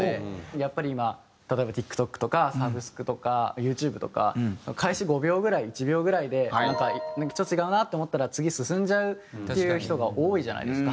やっぱり今例えばＴｉｋＴｏｋとかサブスクとかＹｏｕＴｕｂｅとか開始５秒ぐらい１秒ぐらいでなんかちょっと違うなと思ったら次進んじゃうっていう人が多いじゃないですか。